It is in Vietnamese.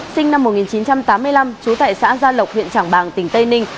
sinh năm một nghìn chín trăm tám mươi năm trú tại xã gia lộc huyện trảng bàng tỉnh tây ninh